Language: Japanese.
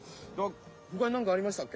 ほかに何かありましたっけ？